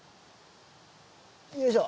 よいしょ。